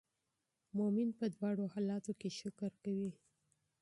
مؤمن په دواړو حالاتو کې شکر کوي.